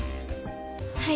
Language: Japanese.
はい。